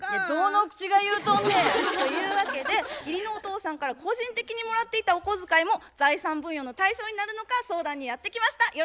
どの口が言うとんねん。というわけで義理のお父さんから個人的にもらっていたお小遣いも財産分与の対象になるのか相談にやって来ました。